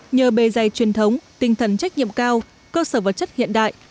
nhờ bề dày truyền thống tinh thần trách nhiệm cao cơ sở vật chất hiện đại